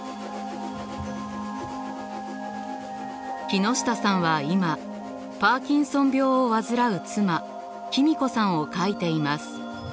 木下さんは今パーキンソン病を患う妻君子さんを描いています。